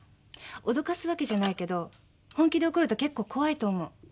脅かすわけじゃないけど本気で怒ると結構怖いと思う。